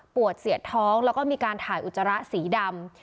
เสียดท้องแล้วก็มีการถ่ายอุจจาระสีดำ